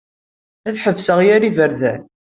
Ad ḥebseɣ yir iberdan.